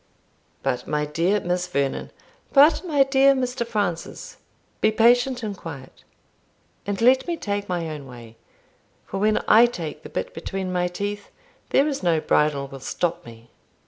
"But my dear Miss Vernon" "But my dear Mr. Francis, be patient and quiet, and let me take my own way; for when I take the bit between my teeth, there is no bridle will stop me."